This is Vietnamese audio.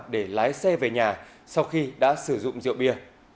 để lái xe về nhà sau khi đã sử dụng rượu bia